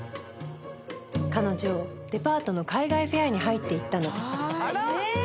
彼女デパートの海外フェアに入っていったの。